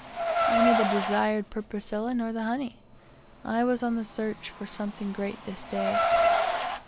I neither desired perpusilla nor the honey. I was on the search for something great this day.